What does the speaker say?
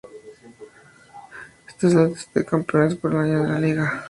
Esta es la lista de campeones por año de la Liga.